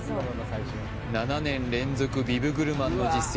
７年連続ビブグルマンの実績